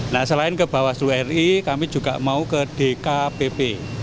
nah selain ke bawaslu ri kami juga mau ke dkpp